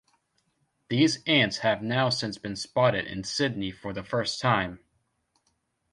These ants have now since been spotted in Sydney for the first time.